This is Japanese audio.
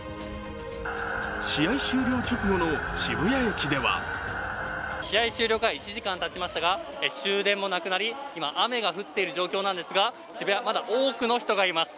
試合終了直後の渋谷駅では試合終了から１時間たちましたが終電もなくなり、今、雨が降っている状況なんですが、渋谷、まだ多くの人がいます。